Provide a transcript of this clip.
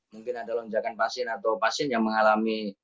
mungkin ada lonjakan pasien atau pasien yang mengalami